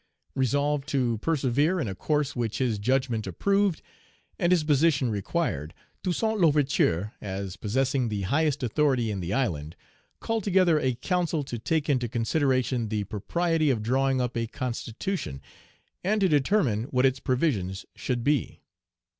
Resolved to persevere in a course which his judgment approved, and his position required, Toussaint L'Ouverture, as possessing the highest authority in the island, called together a council to take into consideration the propriety of drawing up a constitution, and to determine what its provisions should be.